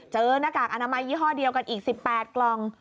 หน้ากากอนามัยยี่ห้อเดียวกันอีก๑๘กล่อง